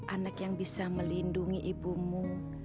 anak yang bisa melindungi ibumu